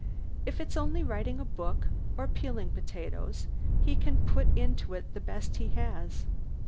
If it's only writing a book or peeling potatoes he can put into it the best he has.